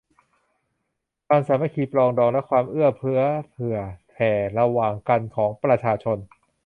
ความสามัคคีปรองดองและความเอื้อเฟื้อเผื่อแผ่ระหว่างกันของประชาชน